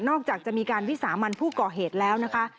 จากจะมีการวิสามันผู้ก่อเหตุแล้วนะคะ